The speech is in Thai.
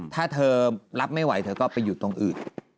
ถ้าเธอรับไม่ไหวเธอก็ไปอยู่ตรงอื่น